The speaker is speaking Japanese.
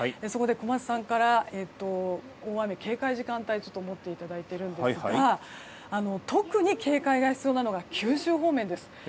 小松さんから大雨警戒時間帯を持っていただいていますが特に警戒が必要なのが九州方面です。